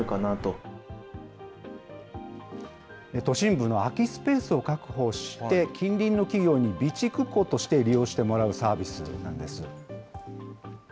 都心部の空きスペースを確保して、近隣の企業に備蓄庫として利用してもらうサービスなんです。